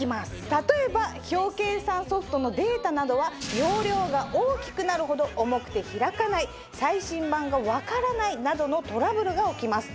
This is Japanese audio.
例えば表計算ソフトのデータなどは容量が大きくなるほど重くて開かない最新版が分からないなどのトラブルが起きます。